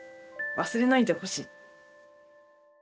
忘れないでほしい。